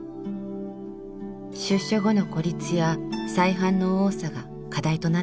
出所後の孤立や再犯の多さが課題となっていました。